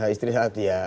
istri satu ya